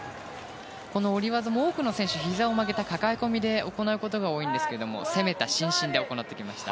下り技も多くの選手がひざを曲げて、かかえ込みで行うことが多いんですけれども攻めた伸身で行ってきました。